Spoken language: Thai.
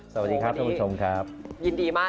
สวัสดีค่ะ